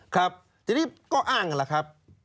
ครับทีนี้ก็อ้างกันล่ะครับ